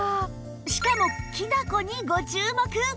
しかもきな粉にご注目